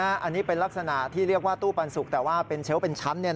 อันนี้เป็นลักษณะที่เรียกว่าตู้ปันสุกแต่ว่าเป็นเชลล์เป็นชั้น